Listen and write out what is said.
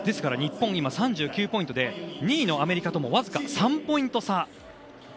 日本は今３９ポイントで２位のアメリカとわずか３ポイント差。